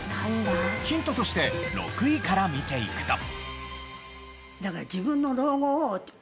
ヒントとして６位から見ていくと。